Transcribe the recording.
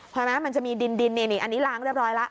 พอไหมมันจะมีดินอันนี้ล้างเรียบร้อยแล้ว